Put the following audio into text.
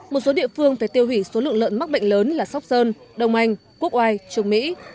một số địa phương phải tiêu hủy số lượng lợn mắc bệnh lớn là sóc sơn đông anh quốc oai trung mỹ